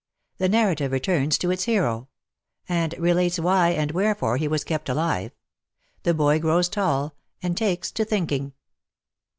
THE NARRATIVE RETURNS TO ITS HERO AND RELATES WHY AND WHEREFORE HE WAS KEPT ALIVE THE BOY GROWS TALL, AND TAKES TO THINKING.